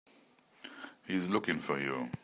He's looking for you.